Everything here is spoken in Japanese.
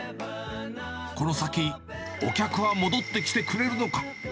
この先、お客は戻ってきてくれるのか。